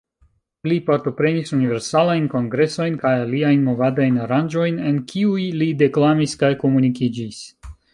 Li partoprenis Universalajn Kongresojn kaj aliajn movadajn aranĝojn, en kiuj li deklamis kaj komunikiĝis.